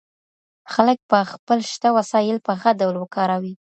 خلګ به خپل شته وسايل په ښه ډول وکاروي.